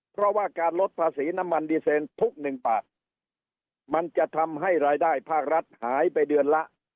เพราะว่าการลดภาษีน้ำมันดีเซนทุกหนึ่งบาทมันจะทำให้รายได้ภาครัฐหายไปเดือนละ